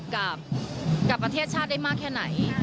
กับประเทศชาติได้มากแค่ไหน